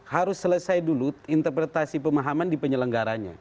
harus selesai dulu interpretasi pemahaman di penyelenggaranya